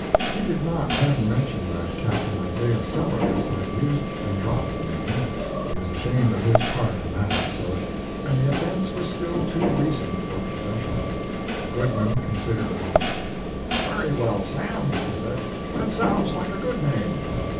He did not then mention that Captain Isaiah Sellers had used and dropped the name. He was ashamed of his part in that episode, and the offense was still too recent for confession. Goodman considered a moment: "Very well, Sam," he said, "that sounds like a good name."